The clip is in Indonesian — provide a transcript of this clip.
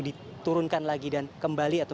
diturunkan lagi dan kembali atau